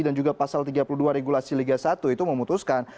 juga pasal tiga puluh dua regulasi liga satu itu memutuskan